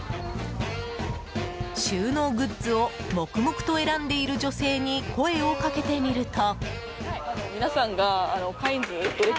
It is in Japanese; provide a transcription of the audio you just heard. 収納グッズを黙々と選んでいる女性に声をかけてみると。